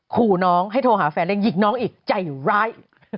ขู่น้องให้โทรหาแฟนเล่นหยิกน้องอีกใจร้าย